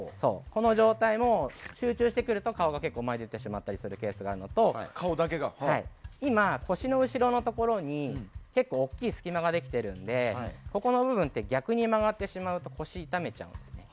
この状態も集中してくると顔が前に出てしまうケースが多いのと今、腰の後ろのところに結構大きい隙間ができているのでここの部分って逆に曲がってしまうと腰、痛めちゃうんですね。